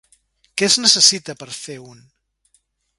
Què es necessita per fer un??